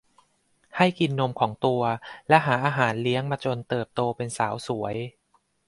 ให้กินนมของตัวและหาอาหารเลี้ยงมาจนเติบโตเป็นสาวสวย